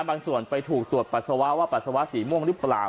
บางส่วนไปถูกตรวจปัสสาวะว่าปัสสาวะสีม่วงหรือเปล่า